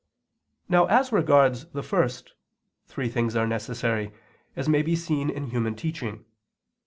Now as regards the first, three things are necessary, as may be seen in human teaching.